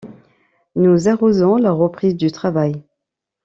Nous arrosons la reprise du travail.